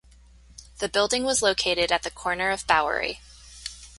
The building was located at the corner of Bowery.